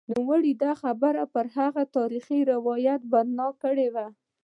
نوموړي دا خبره پر هغه تاریخي روایت پر بنا کړې وه.